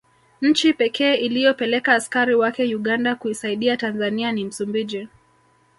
Nchi pekee iliyopeleka askari wake Uganda kuisaidia Tanzania ni Msumbiji